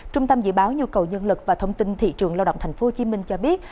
trung tâm dự báo nhu cầu nhân lực và thông tin thị trường lao động tp hcm cho biết